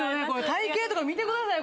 体形とか見てください